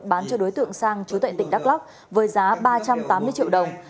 bán cho đối tượng sang chú tệ tỉnh đắk lắc với giá ba trăm tám mươi triệu đồng